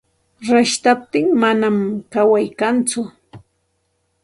Rashtaptin manam kaway kantsu.